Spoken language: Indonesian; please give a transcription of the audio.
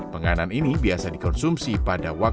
penganan ini biasa dikonsumsi pada waktu